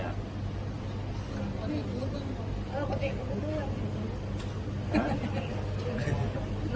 อ่ะโรคเด็กด้วย